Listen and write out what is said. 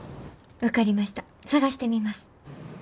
分かりました探してみます。